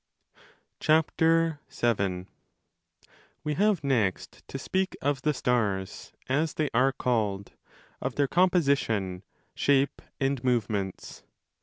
10 7 We have next to speak of the stars, as they are called, of their composition, shape, and movements.